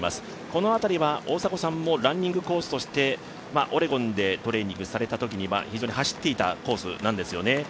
この辺りは大迫さんもランニングコースとしてオレゴンでトレーニングされたときには非常に走っていたコースなんですよね。